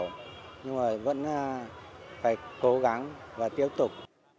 nhưng mà vẫn phải cố gắng và tiếp tục